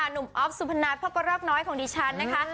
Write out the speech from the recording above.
นุ่มอ๊อฟสุภาณัทพกรกน้อยของดีชันนะคะ